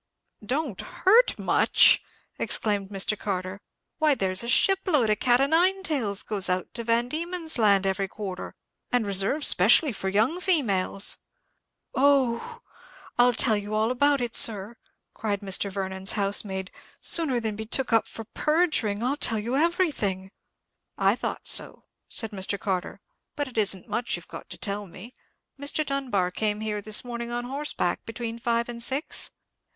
"Don't hurt much!" exclaimed Mr. Carter; "why, there's a ship load of cat o' nine tails goes out to Van Diemen's Land every quarter, and reserved specially for young females!" "Oh! I'll tell you all about it, sir," cried Mr. Vernon's housemaid; "sooner than be took up for perjuring, I'll tell you everything." "I thought so," said Mr. Carter; "but it isn't much you've got to tell me. Mr. Dunbar came here this morning on horseback, between five and six?"